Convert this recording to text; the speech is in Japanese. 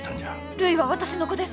るいは私の子です。